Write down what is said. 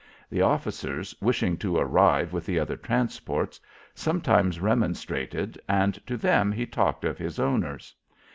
The officers, wishing to arrive with the other transports, sometimes remonstrated, and to them he talked of his owners.